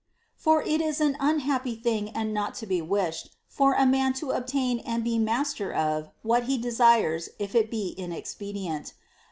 For it is an unhappy thing and not to be wished, for a man to obtain and be master of what he desires if it be inexpedient.